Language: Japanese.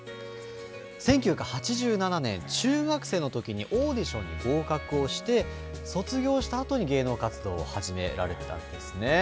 １９８７年、中学生のときに、オーディションで合格して、卒業したあとに芸能活動を始められたんですね。